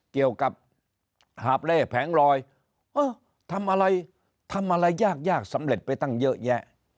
เกี่ยวกับหาบเล่แผงลอยเออทำอะไรทำอะไรยากยากสำเร็จไปตั้งเยอะแยะ